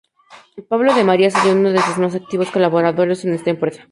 Pablo de María sería uno de sus más activos colaboradores en esta empresa.